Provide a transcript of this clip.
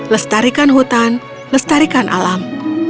lestarikan hutan lestarikan alam